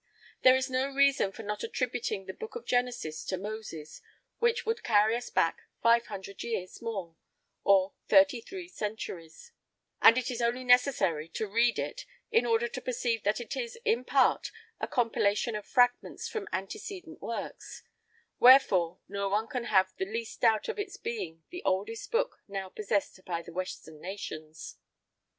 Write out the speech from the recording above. There is no reason for not attributing the Book of Genesis to Moses, which would carry us back five hundred years more, or thirty three centuries; and it is only necessary to read it in order to perceive that it is, in part, a compilation of fragments from antecedent works: wherefore, no one can have the least doubt of its being the oldest book now possessed by the western nations."